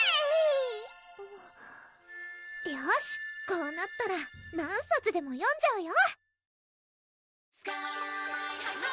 よしこうなったら何冊でも読んじゃうよ！